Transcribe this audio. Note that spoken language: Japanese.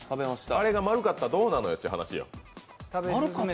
あれが丸かったらどうなるよって話です。